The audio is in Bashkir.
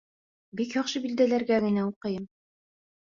Бик яҡшы билдәләргә генә уҡыйым.